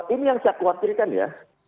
ini yang saya khawatirkan ya